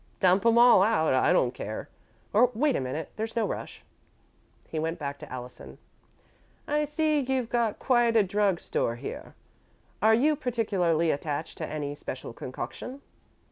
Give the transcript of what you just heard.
"Dump 'em all out I don't care. Or, wait a minute; there's no rush." He went back to Allison. "I see you've got quite a drug store here. Are you particularly attached to any special concoction?"